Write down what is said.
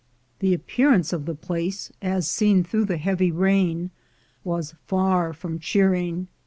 The appearance of the place, as seen through the heavy rain, was far from cheer ing.